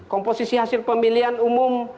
komposisi hasil pemilihan umum